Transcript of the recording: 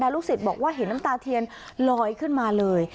ลูกศิษย์บอกว่าเห็นน้ำตาเทียนลอยขึ้นมาเลย